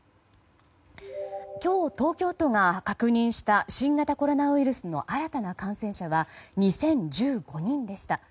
今日、東京都が確認した新型コロナウイルスの新たな感染者は２０１５人でした。